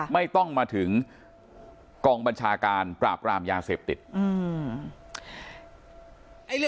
ไม่ต้องมาถึงกองบัญชาการปราบรามยาเสพติดอืม